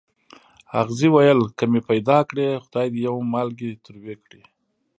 اغزي ویل که مې پیدا کړې خدای دې یو مالګی تروې کړي.